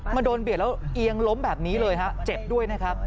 โดนเบียดแล้วเอียงล้มแบบนี้เลยฮะเจ็บด้วยนะครับ